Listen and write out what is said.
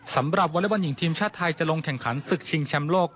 สำหรับวรรยบรรยิ่งทีมชาติไทยจะลงแข่งขันศึกชิงแชมป์โลก